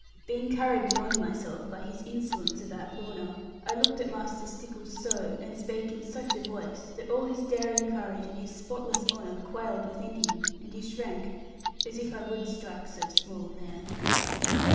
Being carried beyond myself by his insolence about Lorna, I looked at Master Stickles so, and spake in such a voice, that all his daring courage and his spotless honour quailed within him, and he shrank as if I would strike so small a man.